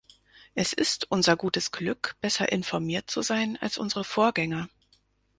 Es ist unser gutes Glück, besser informiert zu sein als unsere Vorgänger.